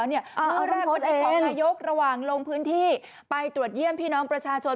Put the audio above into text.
อนาคตของนายกระหว่างลงพื้นที่ไปตรวจเยี่ยมพี่น้องประชาชน